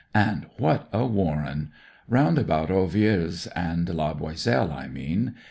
And what a warren ! Round about Ovillers and La Boiselle, I mean.